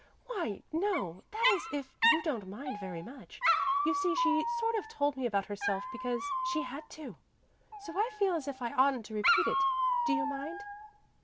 "Why no that is if you don't mind very much. You see she sort of told me about herself because she had to, so I feel as if I oughtn't to repeat it. Do you mind?"